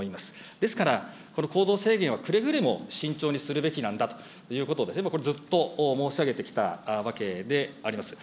ですから、この行動制限はくれぐれも慎重にするべきなんだということを、ずっと申し上げてきたわけであります。